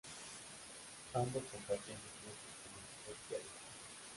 Ambos compartían influencias como Scott Walker.